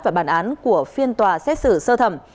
và bản án của phiên tòa xét xử sơ thẩm